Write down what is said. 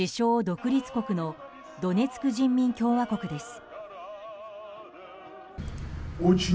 独立国のドネツク人民共和国です。